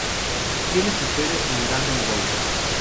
Tiene su sede en Garden Grove.